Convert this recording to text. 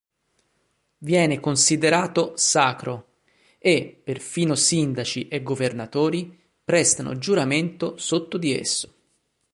Viene considerato sacro, e perfino sindaci e governatori prestano giuramento sotto di esso.